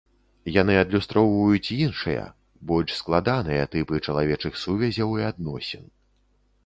Яны адлюстроўваюць іншыя, больш складаныя тыпы чалавечых сувязяў і адносін.